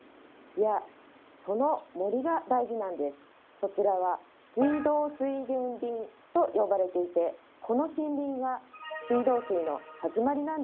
そちらは「水道水源林」と呼ばれていてこの森林が水道水のはじまりなんですよ。